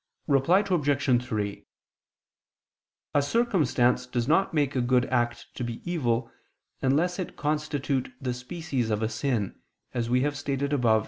Reply Obj. 3: A circumstance does not make a good act to be evil, unless it constitute the species of a sin, as we have stated above (Q.